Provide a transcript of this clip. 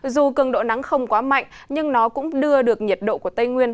dù cường độ nắng không quá mạnh nhưng nó cũng đưa được nhiệt độ của tây nguyên